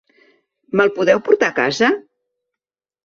Mel podeu portar a casa?